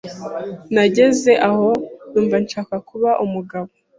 Nageze aho numva nshaka kuba umugabo